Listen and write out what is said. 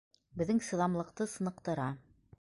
Беҙҙең сыҙамлыҡты сыныҡтыра.